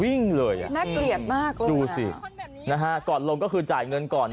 อุ๊ยไอ้วิ่งเลยอ่ะน่าเกลียดมากดูสินะฮะกอดลงก็คือจ่ายเงินก่อน